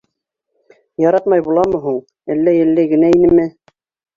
Яратмай буламы һуң, әллә йәлләй генә инеме?